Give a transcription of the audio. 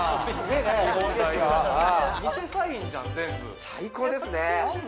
偽サインじゃん全部最高ですね